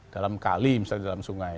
dalam kali misalnya dalam sungai